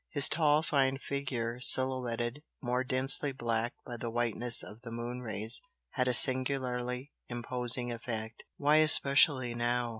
His tall fine figure silhouetted more densely black by the whiteness of the moon rays had a singularly imposing effect. "Why especially now?"